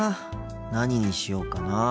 何にしようかなあ。